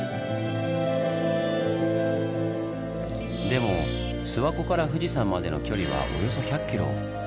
でも諏訪湖から富士山までの距離はおよそ１００キロ。